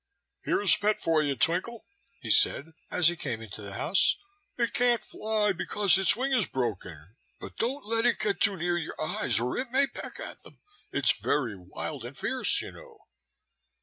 "Here's a pet for you, Twinkle," he said, as he came into the house. "It can't fly, because its wing is broken; but don't let it get too near your eyes, or it may peck at them. It's very wild and fierce, you know."